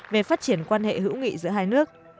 về phát triển quan hệ hữu nghị giữa hai nước